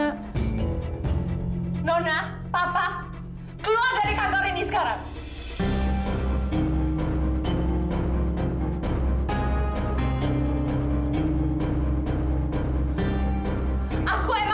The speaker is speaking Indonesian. kata katanya kakak itu udah gak penting lagi yang penting kan kita semua anggap kakak tetap katanya yang sama